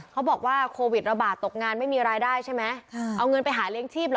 เขาบอกว่าโควิดระบาดตกงานไม่มีรายได้ใช่ไหมเอาเงินไปหาเลี้ยงชีพเหรอ